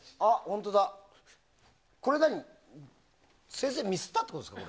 先生ミスったってことですか？